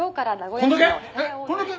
こんだけ？